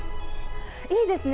いいですね。